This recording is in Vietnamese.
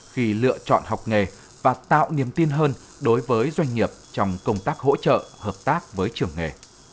khi lựa chọn học nghề và tạo niềm tin hơn đối với doanh nghiệp trong công tác hỗ trợ hợp tác với trường nghề